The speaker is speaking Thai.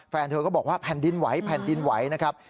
แฟนเธอก็บอกว่าแผ่นดินไหวแผ่นดินไหวนะครับ